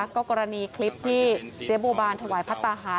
ก็กรณีคลิปที่เจ๊บัวบานถวายพระตาหาร